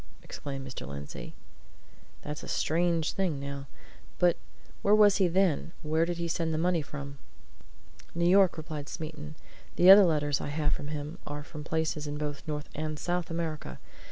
exclaimed Mr. Lindsey. "That's a strange thing, now. But where was he then? Where did he send the money from?" "New York," replied Smeaton. "The other letters I have from him are from places in both North and South America.